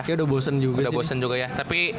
kayaknya udah bosen juga sih